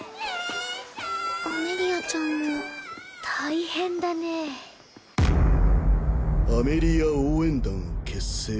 アメリアちゃんも大変だねアメリア応援団を結成？